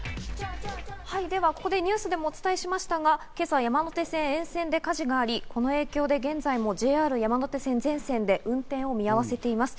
ではここでニュースでもお伝えしましたが、今朝山手線沿線で火事があり、この影響で現在もＪＲ山手線全線で運転を見合わせています。